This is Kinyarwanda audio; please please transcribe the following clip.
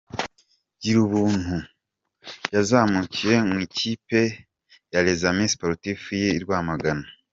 Girubuntu yazamukiye mu ikipe ya Les Amis Sportif y’i Rwamagana.